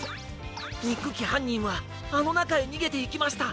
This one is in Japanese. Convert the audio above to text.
にっくきはんにんはあのなかへにげていきました！